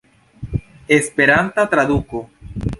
Esperanta traduko.